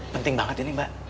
penting banget ini mbak